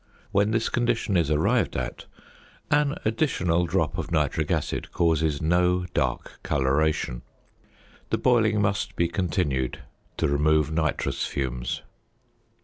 When this condition is arrived at, an additional drop of nitric acid causes no dark coloration. The boiling must be continued to remove nitrous fumes.